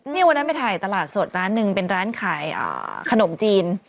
นี่วันนั้นไปถ่ายตลาดสดร้านหนึ่งเป็นร้านขายขนมจีน